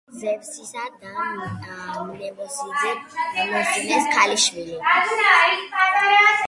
ზევსისა და მნემოსინეს ქალიშვილი.